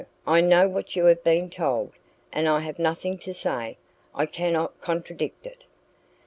I know what you have been told; and I have nothing to say. I cannot contradict it."